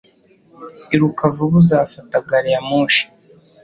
Iruka vuba uzafata gari ya moshi